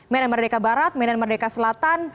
medan merdeka barat medan merdeka selatan